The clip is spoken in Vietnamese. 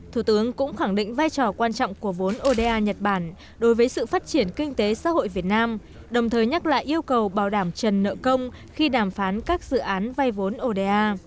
thủ tướng cũng khẳng định vai trò quan trọng của vốn oda nhật bản đối với sự phát triển kinh tế xã hội việt nam đồng thời nhắc lại yêu cầu bảo đảm trần nợ công khi đàm phán các dự án vay vốn oda